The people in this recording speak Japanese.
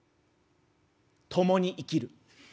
「『共に生きる』」。